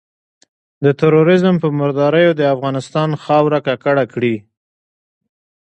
د ترورېزم په مرداریو د افغانستان خاوره ککړه کړي.